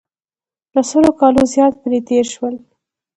له سلو کالو زیات پرې تېر شول.